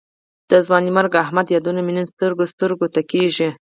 د ځوانمرګ احمد یادونه مې نن سترګو سترګو ته کېږي.